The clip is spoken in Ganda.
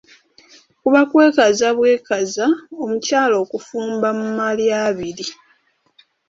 Kuba kwekaza bwekaza omukyala okufumba mu malya abiri.